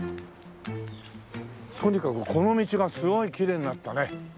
とにかくこの道がすごいきれいになったね。